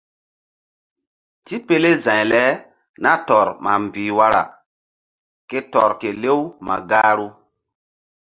Tipele za̧y le nah tɔr ma mbih wara ke tɔr kelew ma gahru.